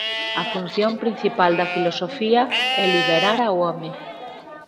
A función principal da filosofía é liberar ao home.